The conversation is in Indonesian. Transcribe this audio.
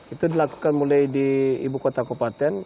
ini dilakukan mulai di ibu kota kupaten